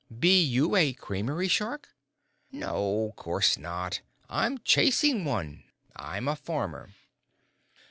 "Be you a creamery shark?" "No course not. I'm chasing one. I'm a farmer."